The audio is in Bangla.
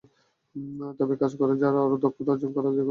তবে কাজ করে করে আরও দক্ষতা অর্জন করা যেকোনো মানুষের সহজাত বিষয়।